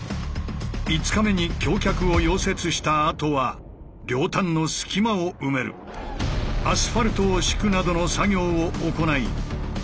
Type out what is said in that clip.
５日目に橋脚を溶接したあとは両端の隙間を埋めるアスファルトを敷くなどの作業を行い。